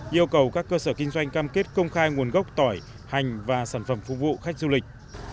yêu cầu các cơ sở kinh doanh cam kết công khai nguồn gốc tỏi hành và sản phẩm phục vụ khách du lịch